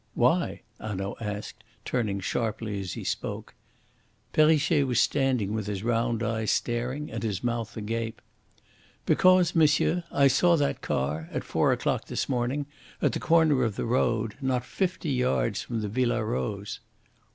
"Why?" Hanaud asked, turning sharply as he spoke. Perrichet was standing with his round eyes staring and his mouth agape. "Because, monsieur, I saw that car at four o'clock this morning at the corner of the road not fifty yards from the Villa Rose."